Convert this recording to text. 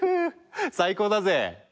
最高だぜ！